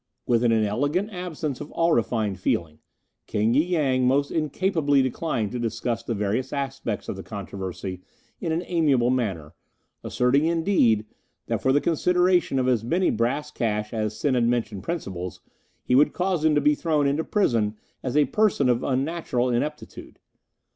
With an inelegant absence of all refined feeling, King y Yang most incapably declined to discuss the various aspects of the controversy in an amiable manner, asserting, indeed, that for the consideration of as many brass cash as Sen had mentioned principles he would cause him to be thrown into prison as a person of unnatural ineptitude.